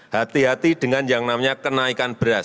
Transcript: hati hati dengan yang namanya kenaikan beras